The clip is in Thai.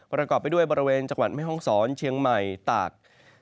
ประกอบไปด้วยบริเวณจังหวัดแม่ห้องศรเชียงใหม่ตาก